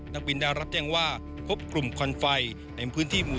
นักบินได้รับแจ้งว่าพบกลุ่มควันไฟในพื้นที่หมู่